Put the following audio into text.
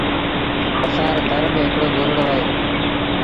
اَسآݩ ري تر ميݩ هڪڙو گرڙو اهي۔